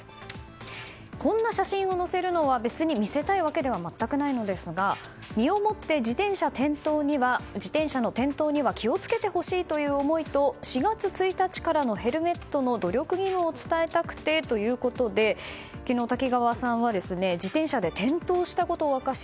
こんな写真を載せるのは別に見せたいわけでは全くないのですが身をもって自転車の転倒には気を付けてほしいという思いと４月１日からのヘルメットの努力義務を伝えたくてということで昨日、滝川さんは自転車で転倒したことを明かし